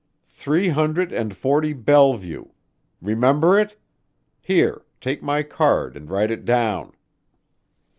Three hundred and forty Bellevue, remember it? Here, take my card and write it down."